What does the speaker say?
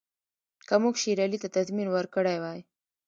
که موږ شېر علي ته تضمین ورکړی وای.